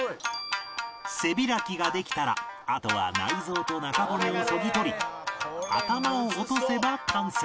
背開きができたらあとは内臓と中骨をそぎ取り頭を落とせば完成